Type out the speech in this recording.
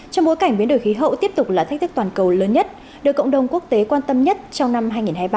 trong bối cảnh biến đổi khí hậu tiếp tục là thách thức toàn cầu lớn nhất được cộng đồng quốc tế quan tâm nhất trong năm hai nghìn hai mươi ba